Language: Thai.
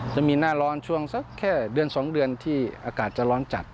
จะมีหน้าร้อนช่วงสักแค่เดือน๒เดือนที่อากาศจะร้อนจัด